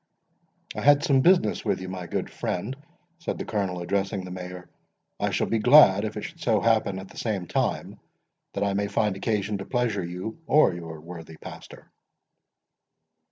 "I had some business with you, my good friend," said the Colonel, addressing the Mayor; "I shall be glad if it should so happen at the same time, that I may find occasion to pleasure you or your worthy pastor."